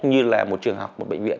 như là một trường học một bệnh viện